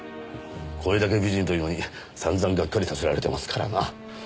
声だけ美人というのにさんざんがっかりさせられてますからな。